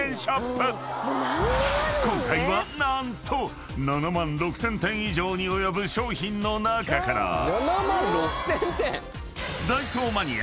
［今回は何と７万６，０００点以上に及ぶ商品の中から］